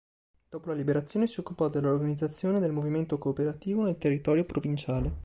Dopo la Liberazione si occupò dell'organizzazione del movimento cooperativo nel territorio provinciale.